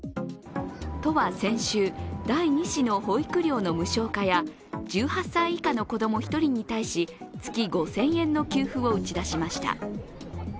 都は先週、第２子の保育料の無償化や１８歳以下の子供１人に対し月５０００円の給付を打ち出しました。